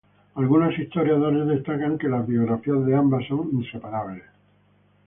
Algunos historiadores destacan que las biografías de ambas son inseparables.